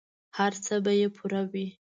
هر څه به یې پوره وي.